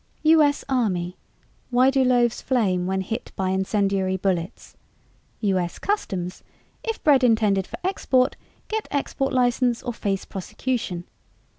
U. S. Army: Why do loaves flame when hit by incendiary bullets? U. S. Customs: If bread intended for export, get export license or face prosecution.